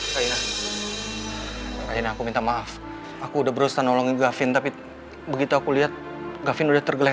kayaknya aku minta maaf aku udah berusaha nolongin gavin tapi begitu aku lihat gavin udah tergeleng